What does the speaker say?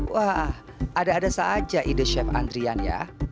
wah ada ada saja ide chef andrian ya